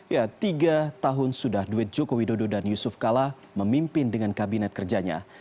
ya tiga tahun sudah duit joko widodo dan yusuf kala memimpin dengan kabinet kerjanya